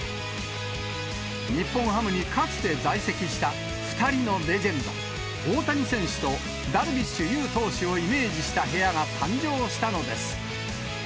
日本ハムにかつて在籍した２人のレジェンド、大谷選手とダルビッシュ有投手をイメージした部屋が誕生したのです。